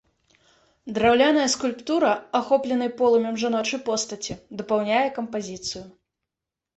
Драўляная скульптура, ахопленай полымем жаночай постаці, дапаўняе кампазіцыю.